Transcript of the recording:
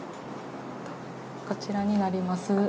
こちらになります。